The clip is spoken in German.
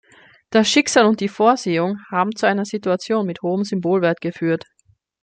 Das Schicksal und die Vorsehung haben zu einer Situation von hohem Symbolwert geführt.